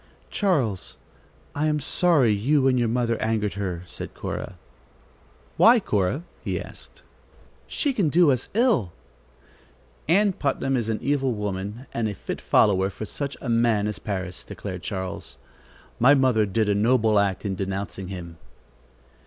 "Charles, I am sorry you and your mother angered her," said Cora. "Why, Cora?" he asked. "She can do us ill." "Ann Putnam is an evil woman and a fit follower of such a man as Parris," declared Charles. "My mother did a noble act in denouncing him."